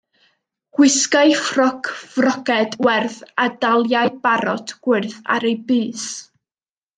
Gwisgai ffrog frocêd werdd a daliai barot gwyrdd ar ei bys.